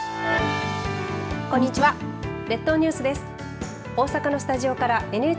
こんにちは。